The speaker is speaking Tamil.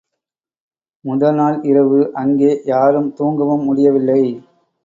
முதல்நாள் இரவு, அங்கே யாரும் தூங்கவும் முடியவில்லை.